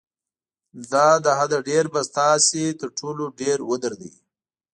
دا له حده ډېر به تاسو تر ټولو ډېر ودردوي.